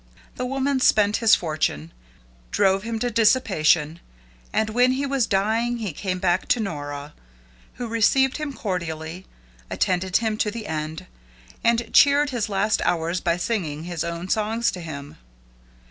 The woman spent his fortune, drove him to dissipation, and when he was dying he came back to Nora, who received him cordially, attended him to the end, and cheered his last hours by singing his own songs to him.